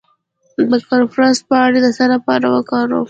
د کرفس پاڼې د څه لپاره وکاروم؟